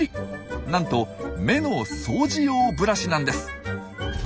なんと目の掃除用ブラシなんです。